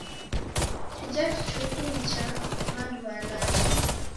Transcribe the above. Chija kichuku ni cha w'andu w'alacha.